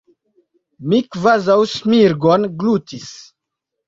Mi kvazaŭ smirgon glutis.